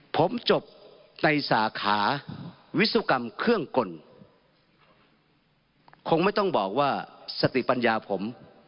ผมจบในสาขาวิศวกรรมเครื่องกลคงไม่ต้องบอกว่าสติปัญญาผม